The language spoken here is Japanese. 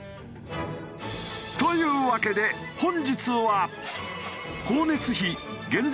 というわけで本日は。